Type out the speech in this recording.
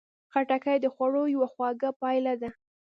خټکی د خوړو یوه خواږه پایه ده.